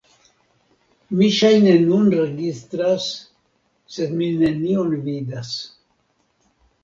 Mi ŝajne nun registras sed mi nenion vidas